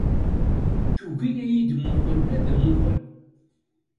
Tugi ad yi-d-muqel ula d amuqel.